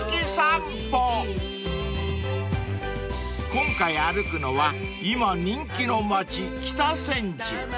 ［今回歩くのは今人気の街北千住］